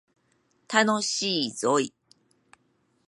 楽しいぞい